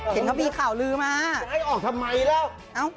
เพิ่งเขาปีงข่าวลืมโอเคไลน์ออกทำไมล่ะ